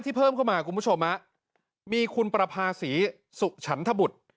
เพิ่มเข้ามาคุณผู้ชมฮะมีคุณประภาษีสุฉันทบุตร